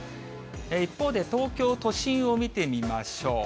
一方で東京都心を見てみましょう。